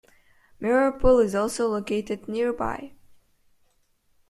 Mirror Pool is also located nearby.